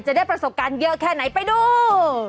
จะได้ประสบการณ์เยอะแค่ไหนไปดู